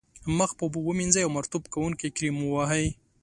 مخ په اوبو ومینځئ او مرطوب کوونکی کریم و وهئ.